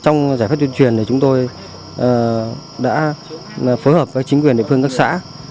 trong giải pháp tuyên truyền thì chúng tôi đã phối hợp với chính quyền địa phương các xã